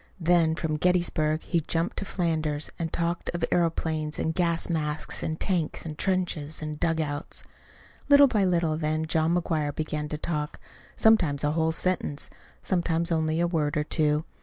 Then from Gettysburg he jumped to Flanders, and talked of aeroplanes, and gas masks, and tanks, and trenches, and dugouts. Little by little then John McGuire began to talk sometimes a whole sentence, sometimes only a word or two.